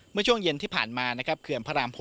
เมื่อช่วงเย็นที่ผ่านมานะครับเขื่อนพระราม๖